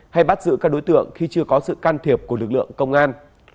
hay bắt giữ các đối tượng khi chưa có sự can thiệp của lực lượng công an